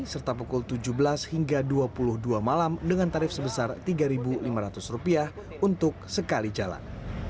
serta pukul tujuh belas hingga dua puluh dua malam dengan tarif sebesar rp tiga lima ratus untuk sekali jalan